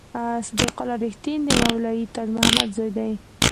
صدیق الله رښتین د مولوي تاج محمد زوی دی.